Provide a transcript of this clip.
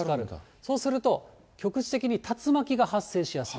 そうすると、局地的に竜巻が発生しやすい。